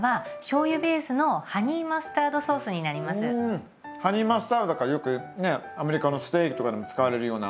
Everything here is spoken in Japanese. うんハニーマスタードだからよくねアメリカのステーキとかでも使われるような。